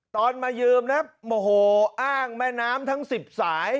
ตอนมายืมนะโอ้โหอ้างแม่น้ำทั้ง๑๐สาย